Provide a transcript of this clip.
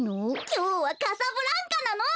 きょうはカサブランカなの！